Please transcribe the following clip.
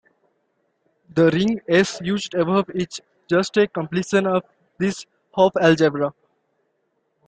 The ring "S" used above is just a completion of this Hopf algebra.